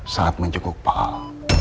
saat mencengkuk paal